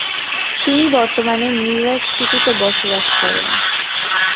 তিনি বর্তমানে নিউইয়র্ক সিটিতে বসবাস করেন।